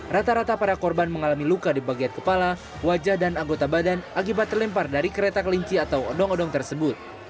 rata rata para korban mengalami luka di bagian kepala wajah dan anggota badan akibat terlempar dari kereta kelinci atau odong odong tersebut